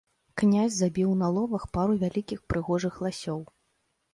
Князь забіў на ловах пару вялікіх прыгожых ласёў.